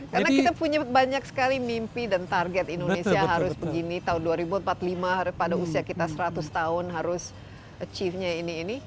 karena kita punya banyak sekali mimpi dan target indonesia harus begini tahun dua ribu empat puluh lima pada usia kita seratus tahun harus achieve nya ini ini